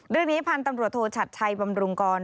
ด้วยนี้พันธุ์ตำรวจโทรฉัดใช้บำรุงกร